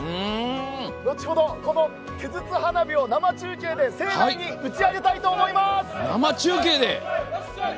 後ほど、手筒花火を生中継で盛大に打ち揚げたいと思います！